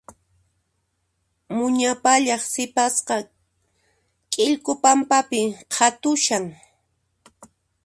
Muña pallaq sipasqa k'ikllu pampapi qhatushan.